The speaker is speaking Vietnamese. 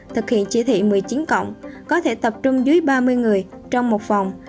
thực hiện chỉ thị một mươi chín cộng có thể tập trung dưới ba mươi người trong một phòng